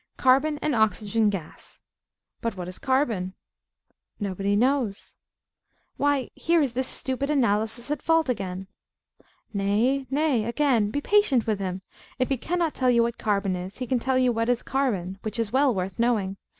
Carbon and oxygen gas. But what is carbon? Nobody knows. Why, here is this stupid Analysis at fault again. Nay, nay, again. Be patient with him. If he cannot tell you what carbon is, he can tell you what is carbon, which is well worth knowing.